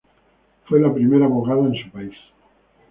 Fue la primera abogada en su país.